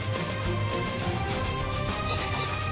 失礼致します。